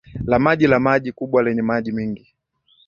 la maji la maji kubwa lenye maji mingi